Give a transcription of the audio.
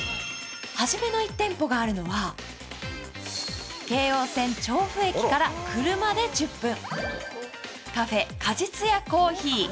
はじめの一店舗があるのは京王線調布駅から車で１０分、カフェ果実屋珈琲。